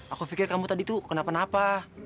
aku pikir kamu tadi tuh kenapa napa